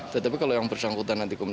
tetapi kalau yang bersangkutan nanti kemudian